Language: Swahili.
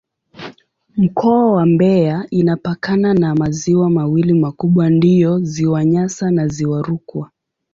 Mkoa wa Mbeya inapakana na maziwa mawili makubwa ndiyo Ziwa Nyasa na Ziwa Rukwa.